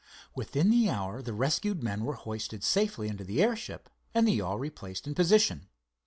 Within the hour the rescued men were hoisted safely into the airship and the yawl replaced in position.